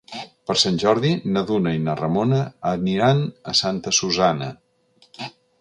Per Sant Jordi na Duna i na Ramona aniran a Santa Susanna.